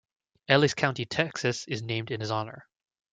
Ellis County, Texas, is named in his honor.